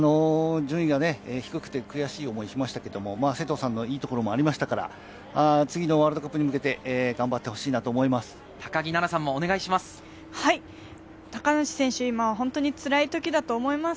順位がね、低くて悔しい思いをしましたけれど、勢藤さんのいいところもありましたから、次のワールドカップに向けて頑張ってほしいと思います。